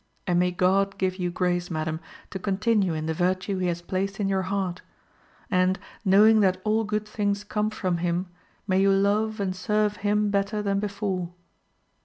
And may God give you grace, madam, to continue in the virtue He has placed in your heart; and, knowing that all good things come from Him, may you love and serve Him better than before."